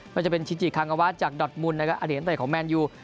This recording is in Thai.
ก็จะเป็นชินจิคังกะวาจากดอทมูลนะครับอเดียนตัวเองของแมนยู